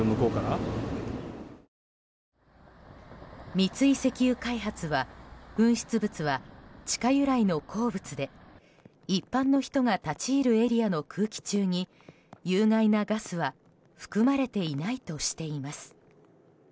三井石油開発は噴出物は、地下由来の鉱物で一般の人が立ち入るエリアの空気中に有害なガスは含まれていないとしています。